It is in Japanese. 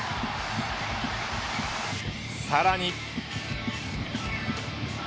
さらに。